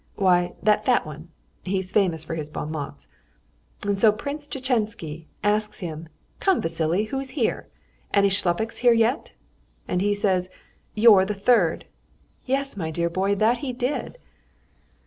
Why, that fat one; he's famous for his bon mots. And so Prince Tchetchensky asks him, 'Come, Vassily, who's here? Any shlupiks here yet?' And he says, 'You're the third.' Yes, my dear boy, that he did!"